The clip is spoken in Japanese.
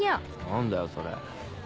何だよそれ。